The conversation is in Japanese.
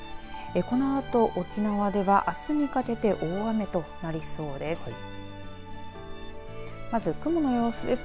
このあと沖縄ではあすにかけて大雨となりそうです。